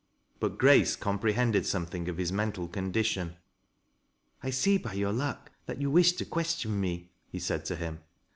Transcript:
But Grace comprehended something of his mental con dition. " I see by your look that you wish to question me," he said to him.